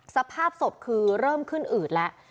สภาพศพคือเริ่มขึ้นอืดแล้ว